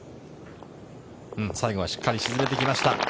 最後はしっかり沈めてきました。